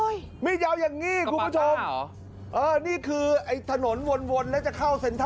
ใช่ช่วยนักเรียนเลยมปลายอะไรจนนะ